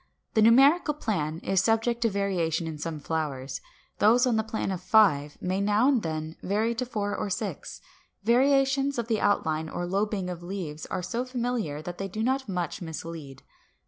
The numerical plan is subject to variation in some flowers; those on the plan of five may now and then vary to four or to six. Variations of the outline or lobing of leaves are so familiar that they do not much mislead.